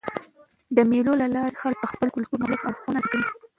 د مېلو له لاري خلک د خپل کلتور مختلف اړخونه زده کوي.